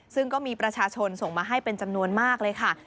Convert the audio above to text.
ซึ่งก็มีประชาชนส่งมาให้เป็นจำนวนมากเลยค่ะ